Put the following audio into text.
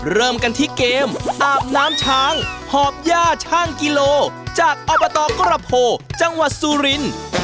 เริ่มกันที่เกมอาบน้ำช้างหอบย่าช่างกิโลจากอบตกระโพจังหวัดสุรินทร์